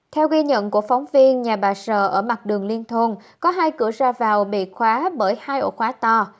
theo ghi nhận của phóng viên nhà bà sở ở mặt đường liên thôn có hai cửa ra vào bị khóa bởi hai ổ khóa to